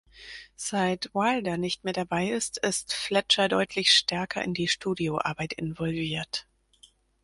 Seit Wilder nicht mehr dabei ist, ist Fletcher deutlich stärker in die Studio-Arbeit involviert.